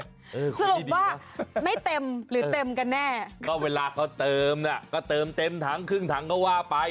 สรุปว่าไม่เต็มหรือเต็มกันแน่ก็เวลาเขาเติมน่ะก็เติมเต็มถังครึ่งถังก็ว่าไป